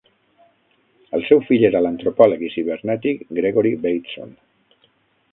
El seu fill era l'antropòleg i cibernètic Gregory Bateson.